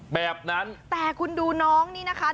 แบบนั้นแต่คุณดูน้องนี่นะคะ